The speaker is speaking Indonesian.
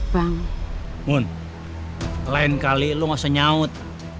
bang mun lain kali lu gak usah nyaut